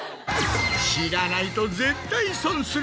知らないと絶対損する